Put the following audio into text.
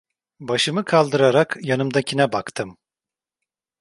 Başımı kaldırarak yanımdakine baktım.